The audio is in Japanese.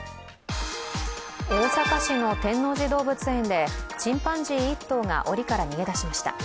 大阪市の天王寺動物園でチンパンジー１頭がおりから逃げ出しました。